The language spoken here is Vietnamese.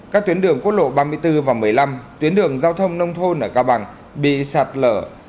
các tuyến đường quốc lộ ba mươi bốn và một mươi năm tuyến đường giao thông nông thôn ở cao bằng bị sạt lở